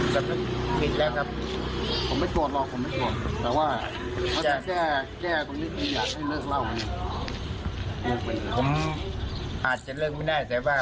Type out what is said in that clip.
จะเลิกไม่ได้แต่ว่าผมจะ